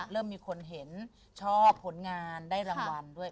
เริ่มมีคนเห็นชอบผลงานได้รางวัลด้วย